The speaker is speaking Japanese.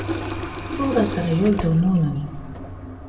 そうだったら良いと思うのに。